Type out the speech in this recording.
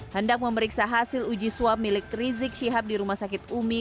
hendak memeriksa hasil uji swab milik rizik syihab di rumah sakit umi